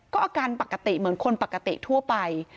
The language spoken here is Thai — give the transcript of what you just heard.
ก็อาการปกติเหมือนคนปกติทั่วไป